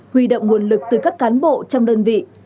huy động nguồn lực từ các cán bộ trong đơn vị